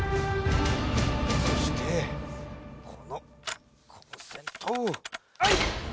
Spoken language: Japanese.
そしてこのコンセントをはい！